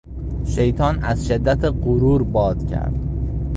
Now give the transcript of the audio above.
شیطان از شدت غرور باد کرد.